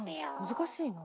難しいな。